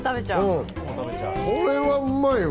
これはうまいわ。